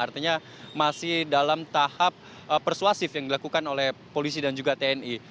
artinya masih dalam tahap persuasif yang dilakukan oleh polisi dan juga tni